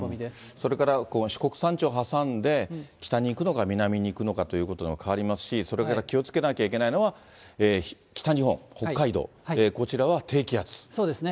それから四国山地を挟んで、北に行くのか南に行くのかということでも変わりますし、それから気をつけなきゃいけないのは北日本、北海道、こちらは低そうですね。